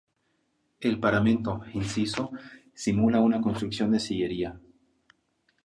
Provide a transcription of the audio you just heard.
El paramento, inciso, simula una construcción de sillería.